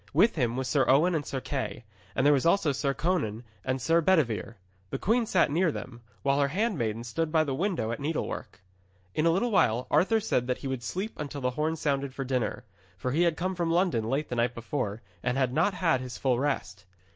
With him was Sir Owen and Sir Kay, and there was also Sir Conan and Sir Bedevere. The queen sat near them, while her handmaidens stood by the window at needlework. In a little while Arthur said he would sleep until the horn sounded for dinner. For he had come from London late the night before, and had not had his full rest.